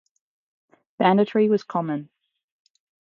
Banditry was common.